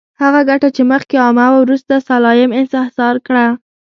هغه ګټه چې مخکې عامه وه، وروسته سلایم انحصار کړه.